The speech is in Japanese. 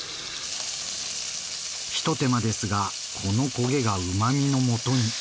一手間ですがこの焦げがうまみのもとに。